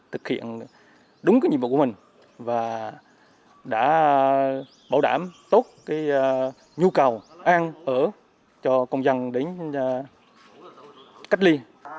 thực hiện đúng nhiệm vụ của mình và đã bảo đảm tốt cái nhu cầu an ở cho công dân đến cách ly